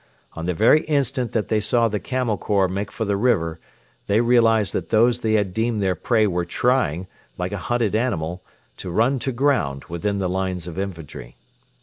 On the very instant that they saw the Camel Corps make for the river they realised that those they had deemed their prey were trying, like a hunted animal, to run to ground within the lines of infantry.